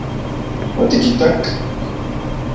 ¿Otikitak...?